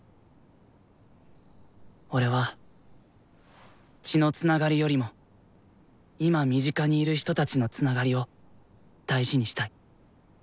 俺は血のつながりよりも今身近にいる人たちのつながりを大事にしたい。